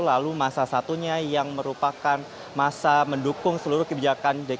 lalu masa satunya yang merupakan masa mendukung seluruh kebijakan